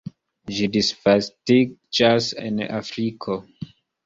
Ĝi disvastiĝas en Afriko.